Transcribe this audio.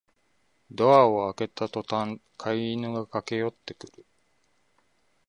ドアを開けたとたん飼い犬が駆けよってくる